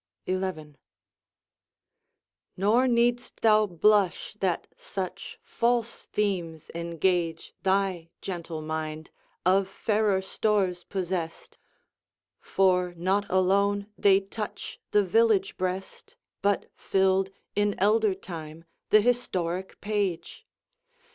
XI Nor need'st thou blush, that such false themes engage Thy gentle mind, of fairer stores possessed; For not alone they touch the village breast, But filled in elder time th' historic page.